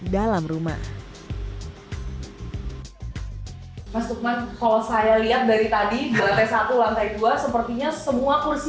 dalam rumah masukkan kalau saya lihat dari tadi beratnya satu lantai dua sepertinya semua kursi